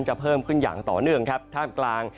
เพิ่มขึ้นอย่างต่อเนื่องครับท่ามกลาง